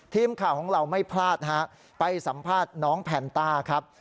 ทีมข่าวของเราไม่พลาดฮะไปสัมภาษณ์น้องแพนต้าครับ